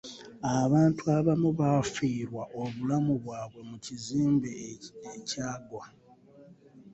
Abantu abamu baafiirwa obulamu bwabwe mu kizimbe ekyagwa.